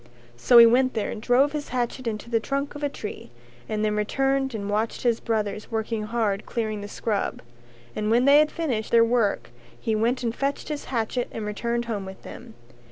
So he went there and drove his hatchet into the trunk of a tree and then returned and watched his brothers working hard clearing the scrub, and when they had finished their work he went and fetched his hatchet and returned home with them.